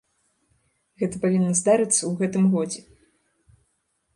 Гэта павінна здарыцца ў гэтым годзе.